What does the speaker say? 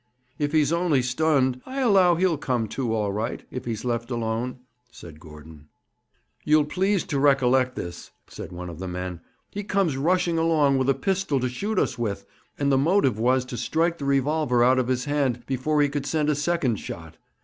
'If he's only stunned, I allow he'll come to all right, if he's left alone,' said Gordon. 'You'll please to recollect this,' said one of the men: 'he comes rushing along, with a pistol to shoot us with, and the motive was to strike the revolver out of his hand before he could send a second shot.